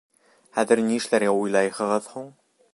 — Хәҙер нишләргә уйлайһығыҙ һуң?